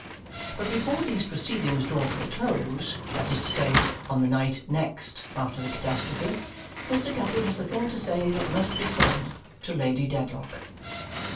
But before these proceedings draw to a close, that is to say, on the night next after the catastrophe, Mr. Guppy has a thing to say that must be said to Lady Dedlock.